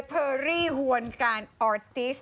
พราไวอยู่ไหน